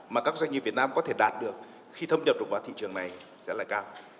mà các doanh nghiệp việt nam có thể đạt được khi thâm nhập được vào thị trường này sẽ là cao